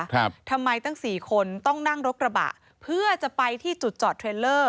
ทำไมตั้งสี่คนต้องนั่งรถกระบะเพื่อจะไปที่จุดจอดเทรลเลอร์